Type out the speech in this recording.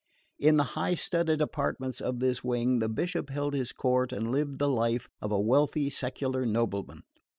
In the high studded apartments of this wing the Bishop held his court and lived the life of a wealthy secular nobleman.